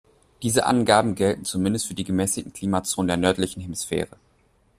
Diese Angaben gelten zumindest für die gemäßigten Klimazonen der nördlichen Hemisphäre.